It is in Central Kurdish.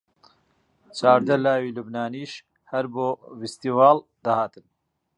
چاردە لاوی لوبنانیش هەر بۆ فستیواڵ دەهاتن